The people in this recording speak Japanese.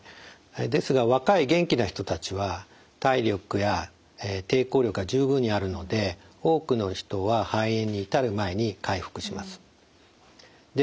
ですが若い元気な人たちは体力や抵抗力が十分にあるので多くの人は肺炎に至る前に回復します。